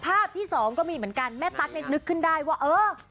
ภาพที่สองก็มีเหมือนกันแม่ตั๊กเนี่ยนึกขึ้นได้ว่าเออ